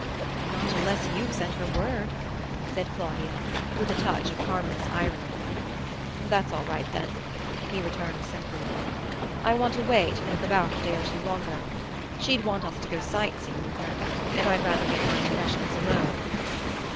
"Not unless you've sent her word," said Claudia, with a touch of harmless irony. "That's all right, then," he returned simply. "I want to wait and look about a day or two longer. She'd want us to go sight seeing with her; and I'd rather get my impressions alone."